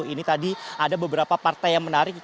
ini tadi ada beberapa partai yang menarik